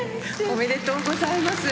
おめでとうございます。